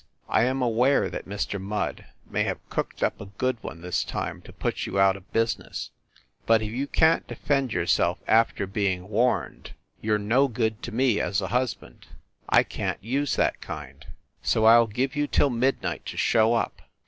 I am aware that Mr. Mudde may have cooked up a good one this time to put you out of business, but if you can t de fend yourself after being warned, you re no good THE LIARS CLUB 93 to me as a husband. I can t use that kind. So I ll give you till midnight to show up.